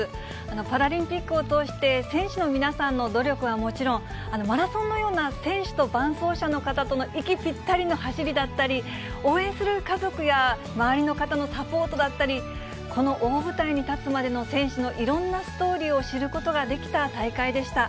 パラリンピックを通して、選手の皆さんの努力はもちろん、マラソンのような選手と伴走者の方との息ぴったりの走りだったり、応援する家族や、周りの方のサポートだったり、この大舞台に立つまでの選手のいろんなストーリーを知ることができた大会でした。